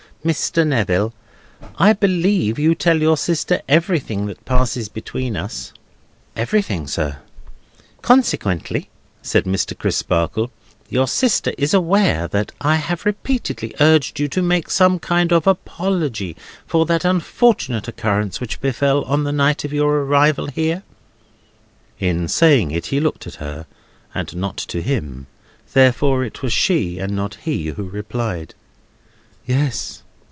Mr. Neville, I believe you tell your sister everything that passes between us?" "Everything, sir." "Consequently," said Mr. Crisparkle, "your sister is aware that I have repeatedly urged you to make some kind of apology for that unfortunate occurrence which befell on the night of your arrival here." In saying it he looked to her, and not to him; therefore it was she, and not he, who replied: "Yes."